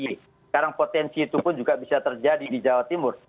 sekarang potensi itu pun juga bisa terjadi di jawa timur